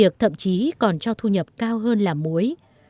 việc thậm chí còn cho thu nhập cao hơn là muối